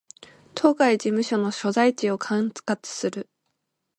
当該事務所の所在地を管轄する